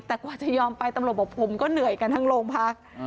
แต่กว่าจะยอมไปตำรวจบอกผมก็เหนื่อยกันทั้งโรงพัก